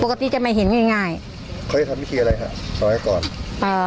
ปกติจะไม่เห็นง่ายง่ายเขาจะทำวิธีอะไรค่ะสำหรับให้ก่อนอ่า